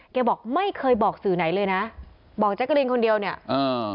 บอกไม่เคยบอกสื่อไหนเลยนะบอกแจ๊กกะลินคนเดียวเนี่ยอ่า